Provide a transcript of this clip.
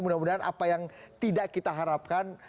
mudah mudahan apa yang tidak kita harapkan